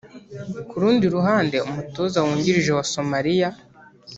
Ku rundi ruhande umutoza wungirije wa Somalia